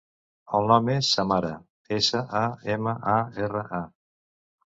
El nom és Samara: essa, a, ema, a, erra, a.